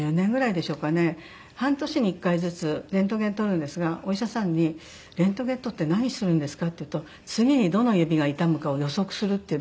半年に１回ずつレントゲン撮るんですがお医者さんに「レントゲン撮って何するんですか？」って言うと「次にどの指が痛むかを予測する」って言うだけで。